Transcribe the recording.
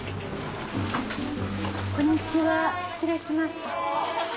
こんにちは失礼します。